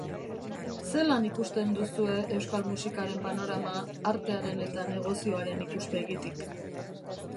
Zelan ikusten duzue euskal musikaren panorama, artearen eta negozioaren ikuspegitik?